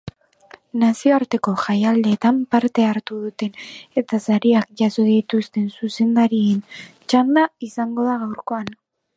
Nazioarteko jaialdietan parte hartu duten eta sariak jaso dituztenzuzendarien txanda izango da gaurkoan.